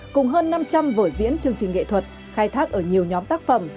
cùng hơn năm trăm linh vở diễn chương trình nghệ thuật khai thác ở nhiều nhóm tác phẩm